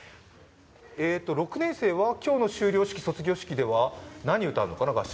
６年生は今日の修了式、卒業式では何を歌うのかな？